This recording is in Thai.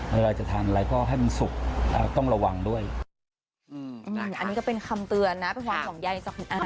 เวลาจะทานอะไรก็ให้มันสุขต้องระวังด้วย